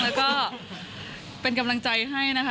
แล้วก็เป็นกำลังใจให้นะคะ